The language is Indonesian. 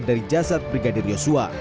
dari jasad brigadir yosua